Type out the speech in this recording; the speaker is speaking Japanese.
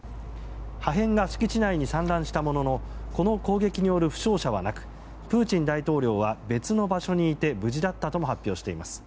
破片が敷地内に散乱したもののこの攻撃による負傷者はなくプーチン大統領は別の場所にいて無事だったとも発表しています。